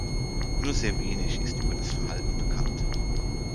Nur sehr wenig ist über das Verhalten bekannt.